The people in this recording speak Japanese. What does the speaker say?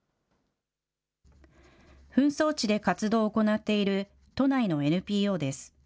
紛争地で活動を行っている都内のＮＰＯです。